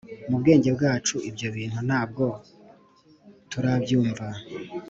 mu bwenge bwacu ibyo bintu ntabwo turabyumva